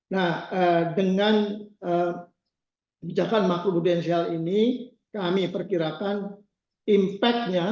nah dengan bijakan makro prudensial ini kami perkirakan impact nya